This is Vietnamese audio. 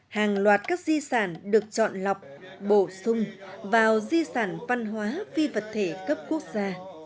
hàng loạt các di sản được chọn lọc bổ sung vào di sản văn hóa phi vật thể cấp quốc gia